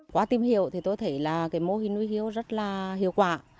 quá tìm hiệu thì tôi thấy là cái mô hình nuôi hưu rất là hiệu quả